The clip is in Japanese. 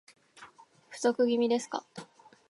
不足気味ですか